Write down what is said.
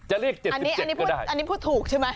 อันนี้พูดถูกใช่ไหม